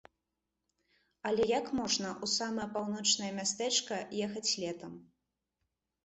Але як можна ў самае паўночнае мястэчка ехаць летам.?